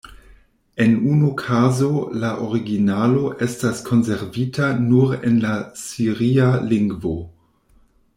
En unu kazo la originalo estas konservita nur en la siria lingvo.